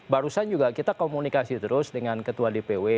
barusan juga kita komunikasi terus dengan ketua dpw